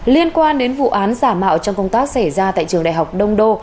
liên quan đến vụ án giả mạo trong công tác xảy ra tại trường đại học đông đô